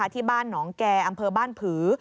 ที่บ้านหนองแก่อำเภอบ้านผือ